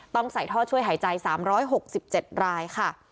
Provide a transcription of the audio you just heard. ต้องใส่ท่อช่วยหายใจ๓๖๗รายค่ะ